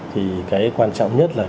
thì cái quan trọng nhất là